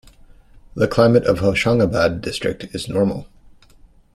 The climate of Hoshangabad district is normal.